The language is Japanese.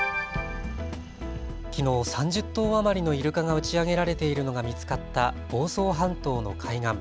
きのう３０頭余りのイルカが打ち上げられているのが見つかった房総半島の海岸。